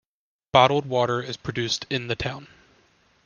Bottled water is produced in the town.